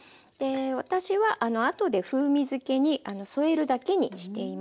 私はあとで風味づけに添えるだけにしています。